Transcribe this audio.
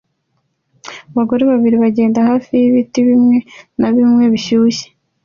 Abagore babiri bagenda hafi y'ibiti bimwe na bimwe bishyushye